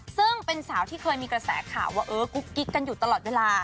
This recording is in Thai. ซึ่งเป็นสาวที่เคยมีกระแสข่าวว่าเออกุ๊กกิ๊กกันอยู่ตลอดเวลา